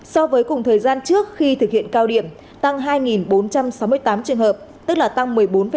so với cùng thời gian trước khi thực hiện cao điểm tăng hai bốn trăm sáu mươi tám trường hợp tức là tăng một mươi bốn năm